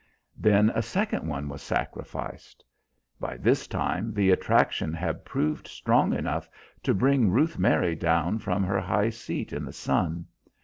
Then a second one was sacrificed. By this time the attraction had proved strong enough to bring Ruth Mary down from her high seat in the sun.